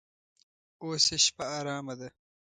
اوس یې شپه ارامه ده.